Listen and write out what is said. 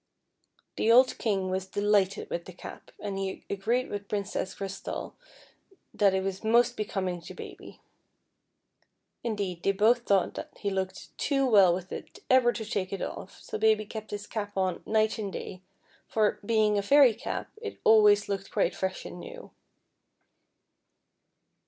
The old King was delighted with the cap, and he agreed with Princess Crystal that it was most becoming to Baby. Indeed, they both thought that he looked too well with it ever to take it off, so Baby kept his cap on night and day, for, being a fairy cap, it always looked quite fresh and new.